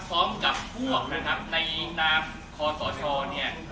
พร้อมกับพวกในนามขอสตศเนี่ย